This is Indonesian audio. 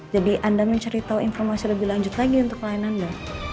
jadi anda ingin menceritakan informasi lebih lanjut lagi untuk klien anda